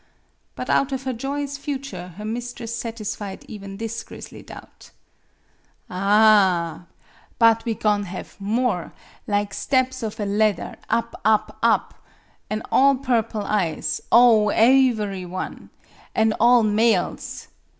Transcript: But out of her joyous future her mistress satisfied even this grisly doubt. " Ah h h! But we go'n' have more lig steps of a ladder, up, up, up! An' all purple eyes oh, aevery one! An' all males!